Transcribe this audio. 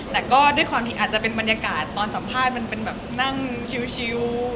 แต่ก็ด้วยความที่อาจจะเป็นบรรยากาศตอนสัมภาษณ์มันเป็นแบบนั่งชิว